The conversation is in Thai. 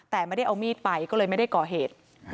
แต่ไม่ได้เอามีดไปก็เลยไม่ได้ก่อเหตุ